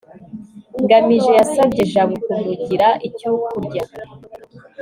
ngamije yasabye jabo kumugira icyo kurya